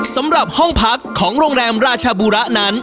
สำหรับห้องพักของโรงแรมราชบูระนั้น